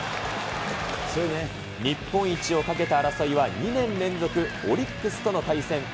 日本一をかけた争いは２年連続、オリックスとの対戦。